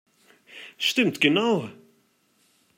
Stimmt genau!